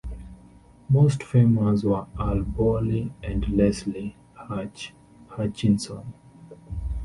Most famous were Al Bowlly and Leslie "Hutch" Hutchinson.